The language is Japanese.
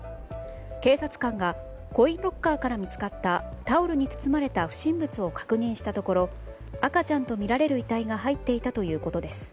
警察官がコインロッカーから見つかったタオルに包まれた不審物を確認したところ赤ちゃんとみられる遺体が入っていたということです。